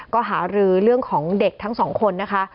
ก็หารือเรื่องของเด็กทั้งสองคนนะคะ